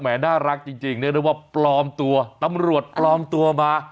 แหม่น่ารักจริงจริงเนื่องพูดว่าปลอมตัวตำรวจปลอมตัวมา